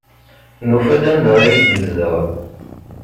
Nufa-d anda ay yezdeɣ.